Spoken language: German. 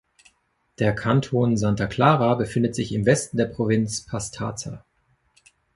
Der Kanton Santa Clara befindet sich im Westen der Provinz Pastaza.